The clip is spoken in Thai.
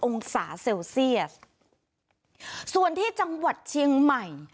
องศาเซลเซียสส่วนที่จังหวัดเชียงใหม่